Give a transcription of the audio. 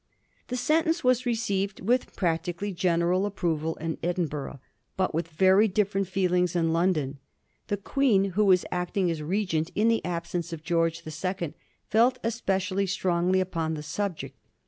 The sentence was received with practically general ap proval in Edinburgh, bat with very different feelings in London^ The Qneen, who was acting as regent in the absence of George II., felt especially strongly upon the subject.